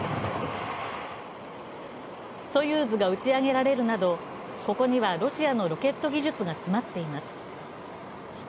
「ソユーズ」が打ち上げられるなど、ここにはロシアのロケット技術が詰まっています。